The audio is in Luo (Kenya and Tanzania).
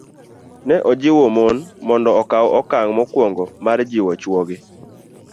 Ne ojiwo mon mondo okaw okang' mokwongo mar jiwo chwogi